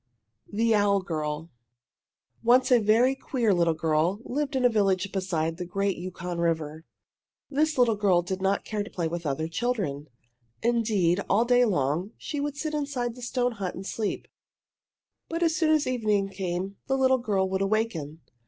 THE OWL GIRL Once a very queer little girl lived in a village beside the great Yukon River. This little girl did not care to play with other children. Indeed, all day long she would sit inside the stone hut and sleep. But as soon as evening came the little girl would awaken.